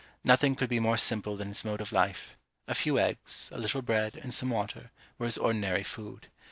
Nothing could be more simple than his mode of life; a few eggs, a little bread, and some water, were his ordinary food.